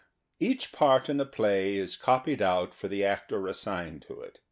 Each part in a play is copied out for the actor assigned to it.